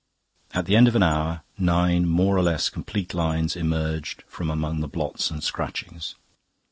At the end of an hour, nine more or less complete lines emerged from among the blots and scratchings.